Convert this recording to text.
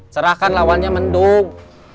cerahkan lawannya mendung